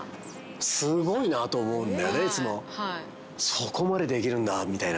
そこまでできるんだみたいな。